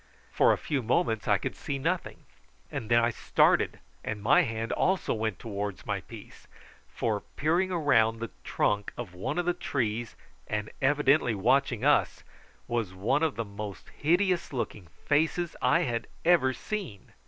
For a few moments I could see nothing; then I started, and my hand also went towards my piece, for peering round the trunk of one of the trees, and evidently watching us, was one of the most hideous looking faces I had ever seen.